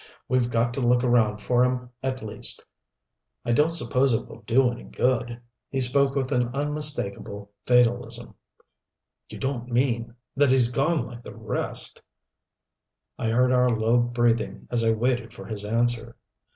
We've got to look around for him at least. I don't suppose it will do any good " He spoke with an unmistakable fatalism. "You don't mean that he's gone like the rest " I heard our low breathing as I waited for his answer.